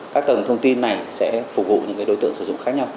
các tầng thông tin này sẽ phục vụ những đối tượng sử dụng khác nhau